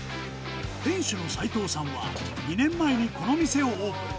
店主の斎藤さんは、２年前にこの店をオープン。